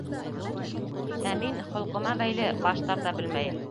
Ә мин, холҡома бәйле, баш тарта белмәйем.